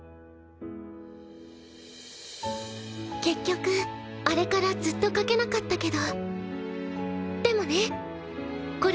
結局あれからずっと書けなかったけど